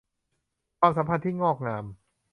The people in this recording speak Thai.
ความสัมพันธ์ที่งอกงาม